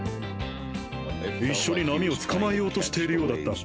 一緒に波をつかまえようとしているようだった。